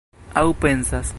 Aŭ pensas.